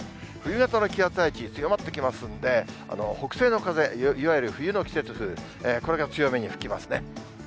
冬型の気圧配置、強まってきますんで、北西の風、いわゆる冬の季節風、これが強めに吹きますね。